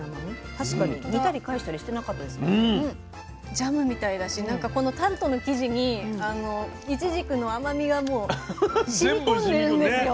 ジャムみたいだしこのタルトの生地にいちじくの甘みがもうしみこんでるんですよ。